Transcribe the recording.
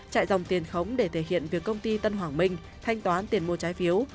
chạy dòng tiền khống để thể hiện việc công ty tân hoàng minh thanh toán tiền mua trái phiếu